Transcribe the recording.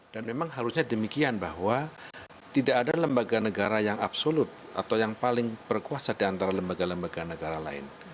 dan memang harusnya demikian bahwa tidak ada lembaga negara yang absolut atau yang paling berkuasa di antara lembaga lembaga negara lain